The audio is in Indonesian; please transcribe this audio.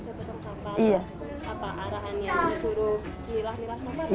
apa arahannya disuruh milah milah sampah